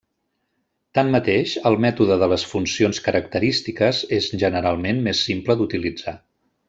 Tanmateix, el mètode de les funcions característiques és generalment més simple d'utilitzar.